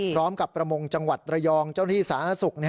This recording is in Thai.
พร้อมกับประมงจังหวัดระยองเจ้าหน้าที่สานสุก